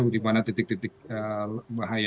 di mana titik titik bahaya